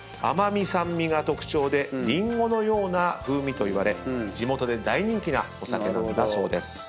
甘味酸味が特徴でりんごのような風味といわれ地元で大人気なお酒なんだそうです。